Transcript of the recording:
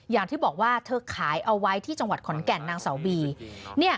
อย่างที่บอกว่าเธอขายเอาไว้ที่จังหวัดขอนแก่นนางเสาบี